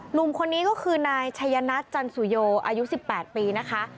หนุ่มคนนี้ก็คือนายชัยนัทจันสุโยอายุ๑๘ปีนะคะ